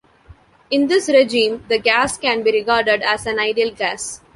In this regime, the gas can be regarded as an ideal gas.